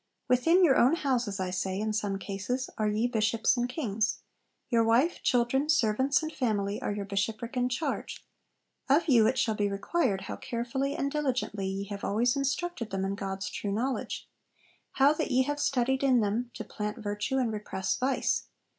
'Within your own houses, I say, in some cases, ye are bishops and kings; your wife, children, servants, and family are your bishopric and charge; of you it shall be required how carefully and diligently ye have always instructed them in God's true knowledge, how that ye have studied in them to plant virtue and repress vice.